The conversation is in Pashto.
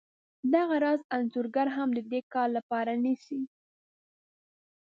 دغه راز انځورګر هم د دې کار لپاره نیسي